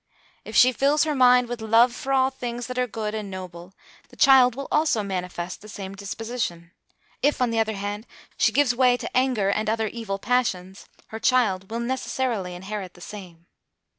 If she fills her mind with love for all things that are good and noble, the child will also manifest the same disposition; if, on the other hand, she gives way to anger and other evil passions, her child will necessarily inherit the same.